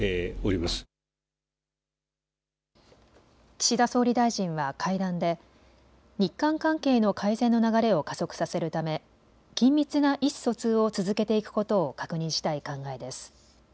岸田総理大臣は会談で日韓関係の改善の流れを加速させるため緊密な意思疎通を続けていくことを確認したい考えです。